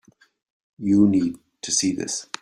You need to see this.